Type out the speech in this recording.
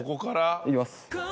いきます。